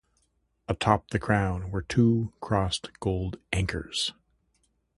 Atop the crown were two crossed gold anchors.